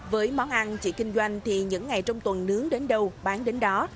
với món ăn chị kinh doanh thì những ngày trong tuần nướng đến đâu bán đến đó